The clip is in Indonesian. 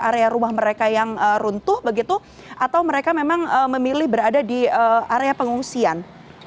area rumah mereka yang runtuh begitu atau mereka memang memilih berada di area pengungsian